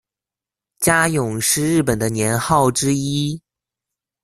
嘉永是日本的年号之一。